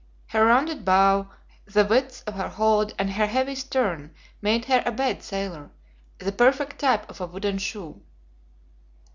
Her rounded bow, the width of her hold, and her heavy stern, made her a bad sailor, the perfect type of a wooden shoe.